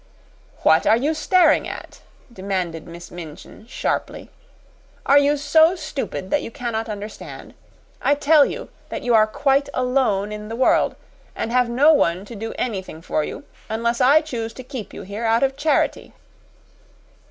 "What are you staring at?" demanded Miss Minchin, sharply. "Are you so stupid that you cannot understand? I tell you that you are quite alone in the world, and have no one to do anything for you, unless I choose to keep you here out of charity."